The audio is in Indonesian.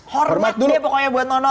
hormat dia pokoknya buat nono